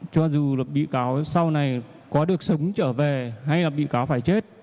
cho dù bị cáo sau này có được sống trở về hay là bị cáo phải chết